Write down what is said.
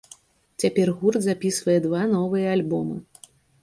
Цяпер гурт запісвае два новыя альбомы.